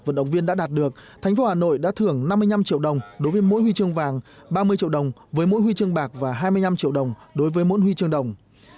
ba mươi triệu đồng với mỗi huy chương bạc và hai mươi năm triệu đồng đối với mỗi huy chương đồng